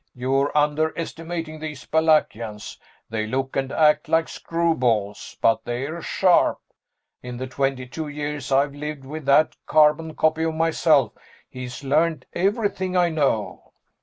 You're underestimating these Balakians they look and act like screwballs, but they're sharp. In the twenty two years I've lived with that carbon copy of myself, he's learned everything I know."